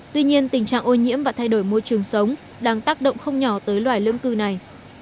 tuy nhiên tình trạng ô nhiễm và thay đổi môi trường sống đang tác động không nhỏ tới loài lưỡng cư này